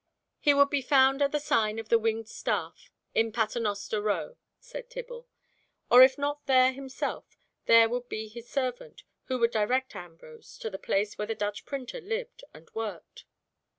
"He would be found at the sign of the Winged Staff, in Paternoster Row," said Tibble, "or if not there himself, there would be his servant who would direct Ambrose to the place where the Dutch printer lived and worked."